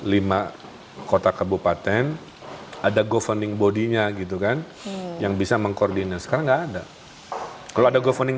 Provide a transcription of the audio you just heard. sempat faten ada governing body nya gitu kan yang bisa mengkoordinasi ada kalau ada governing